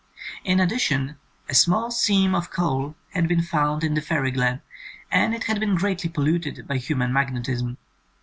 In addition, a small seam of coal had been found in the Fairy Glen, and it had been greatly polluted by human magnetism.